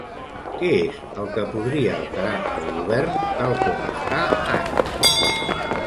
Què és el que podria alterar el govern tal com està ara?